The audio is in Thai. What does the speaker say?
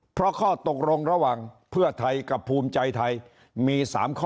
เพราะข้อตกลงระหว่างเพื่อไทยกับภูมิใจไทยมี๓ข้อ